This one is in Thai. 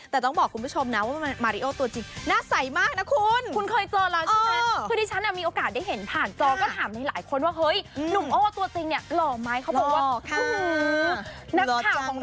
แต่ต้องบอกคุณผู้ชมนะว่ามันเป็นมายร์โอตัวจริง